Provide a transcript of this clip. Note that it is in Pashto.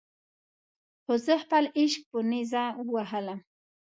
خو زه خپل عشق په نیزه ووهلم.